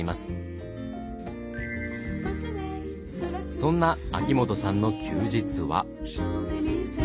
そんな秋元さんの休日は。